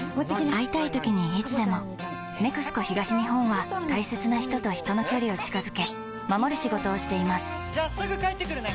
会いたいときにいつでも「ＮＥＸＣＯ東日本」は大切な人と人の距離を近づけ守る仕事をしていますじゃあすぐ帰ってくるね！